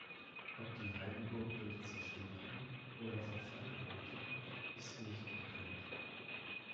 Ob die Heidenburg durch Zerstörung oder Verfall endete, ist nicht bekannt.